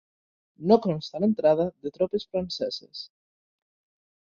No consta l'entrada de tropes franceses.